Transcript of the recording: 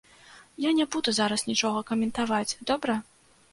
Я не буду зараз нічога каментаваць, добра?